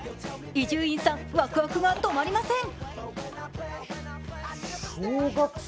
伊集院さん、ワクワクが止まりません。